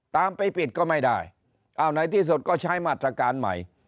ตามไปปิดก็ไม่ได้เอาไหนที่สุดก็ใช้มาตรการใหม่